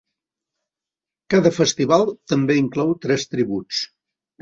Cada festival també inclou tres tributs.